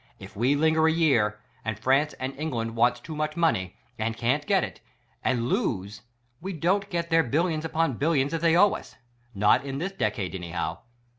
If we linger a year, and France and England wants too much money, and can't get it, and lose, we don't get their billions upon billions that they owe us. Not in this decade, anyhow.